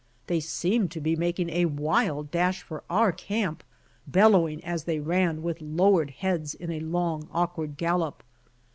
They seemed to be making a wild dash for our camp, bellowing, as they ran with lowered heads in a long awkward gallop.